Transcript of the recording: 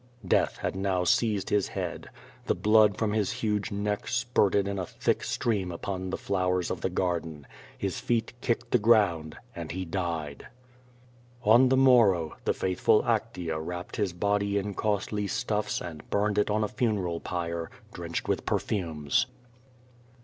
Death had now seized his head. The blood from his huge neck spurted in a thick stream upon the flowers of the garden. His feet kicked the ground and he died. On tlie morrow, the faithful Actea wrapped his body in costly stuffs and burned it on a funeral pyre drenched with perfumes.